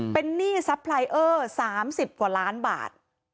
เป็นหนี้ซัพไลเออร์๓๐กว่าล้านบาท